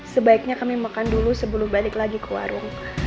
sebaiknya kami makan dulu sebelum balik lagi ke warung